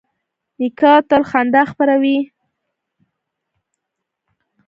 نیکه تل خندا خپروي.